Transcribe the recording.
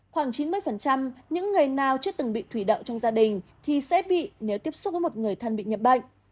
khoảng chín mươi những người nào chưa từng bị thủy đậu trong gia đình thì sẽ bị nếu tiếp xúc với một người thân bị nhập bệnh